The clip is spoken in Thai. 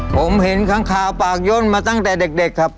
ผมเห็นค้างคาวปากย่นมาตั้งแต่เด็กครับ